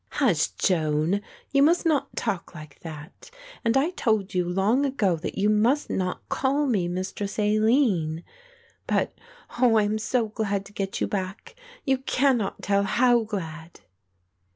"Hush, Joan, you must not talk like that, and I told you long ago that you must not call me Mistress Aline. But, oh, I am so glad to get you back; you cannot tell how glad."